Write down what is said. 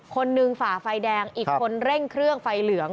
คนหนึ่งฝ่าไฟแดงอีกคนเร่งเครื่องไฟเหลือง